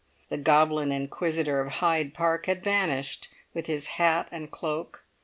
The goblin inquisitor of Hyde Park had vanished with his hat and cloak.